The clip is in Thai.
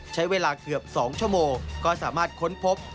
ใช้เวลาเกือบ๒ชั่วโมงก็สามารถค้นพบ